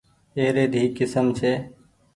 اي ري دئي ڪسم ڇي۔